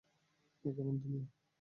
এ কেমন দুনিয়া!